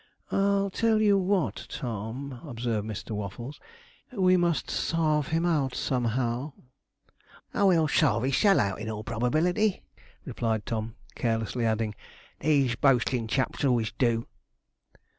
'I tell you what, Tom,' observed Mr. Waffles, 'we must sarve him out, somehow.' 'Oh! he'll sarve hissel' out, in all probability,' replied Tom; carelessly adding, 'these boastin' chaps always do.'